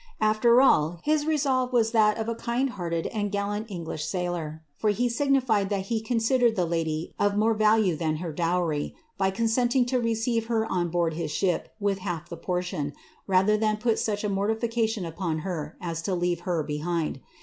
After all, his resolve was that of a kind hearted and gallant English sailor, for he signified that he con sidered the lady of more value than her dowry, by consenting to receife her on board his ship with half the portion, rather than put such a mortification upon her as to leave her behind.